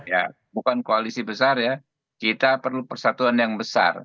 ya bukan koalisi besar ya kita perlu persatuan yang besar